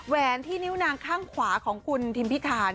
แวนที่นิ้วนางข้างขวาของคุณทิมพิธาน